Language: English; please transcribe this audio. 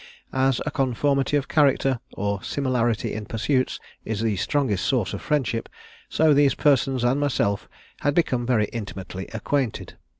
As a conformity of character, or similarity of pursuits, is the strongest source of friendship, so these persons and myself had become very intimately acquainted.